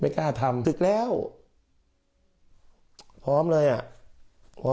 ไม่กล้าทำทำวันประวัติธรรม